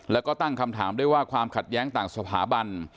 แล้วก็ตั้งคำถามด้วยว่าความขัดแย้งต่างสถาบัน